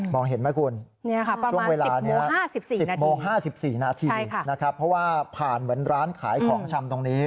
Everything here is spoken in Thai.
เห็นไหมคุณช่วงเวลานี้๑๐โมง๕๔นาทีนะครับเพราะว่าผ่านเหมือนร้านขายของชำตรงนี้